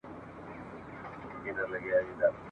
اوس به ضرور د قربانۍ د چړې سیوری وینو !.